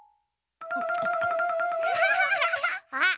あっ！